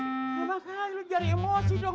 emang kakak lo jadi emosi dong